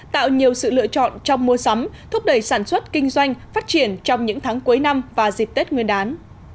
tạo nhiều sự lựa chọn trong mua sắm thúc đẩy sản xuất kinh doanh phát triển trong những tháng cuối năm và dịp tết nguyên đán